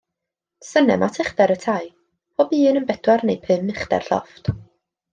Synnem at uchder y tai, pob un yn bedwar neu bum uchder llofft.